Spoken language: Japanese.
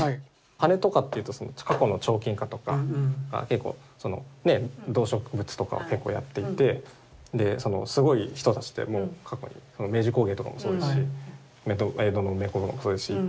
羽根とかっていうと過去の彫金家とか結構ね動植物とかを結構やっていてでそのすごい人たちってもう過去に明治工芸とかもそうですし江戸の名工もそうですしいっぱいいて。